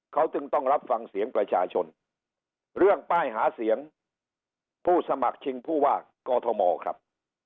เขาจึงต้องรับฟังเสียงประชาชนเรื่องป้ายหาเสียงผู้สมัครชิงผู้ว่ากอทมครับ